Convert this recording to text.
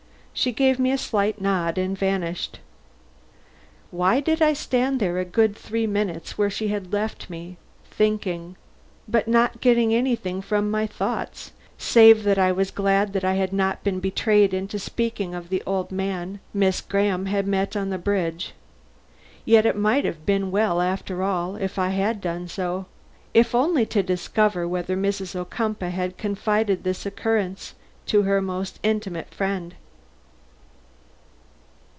She gave me a slight nod and vanished. Why did I stand a good three minutes where she had left me, thinking, but not getting anything from my thoughts, save that I was glad that I had not been betrayed into speaking of the old man Miss Graham had met on the bridge? Yet it might have been well, after all, if I had done so, if only to discover whether Mrs. Ocumpaugh had confided this occurrence to her most intimate friend.